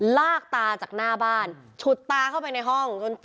ลากตาจากหน้าบ้านฉุดตาเข้าไปในห้อง